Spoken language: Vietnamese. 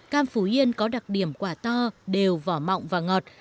cam phú yên có đặc điểm quả to đều vỏ mọng và ngọt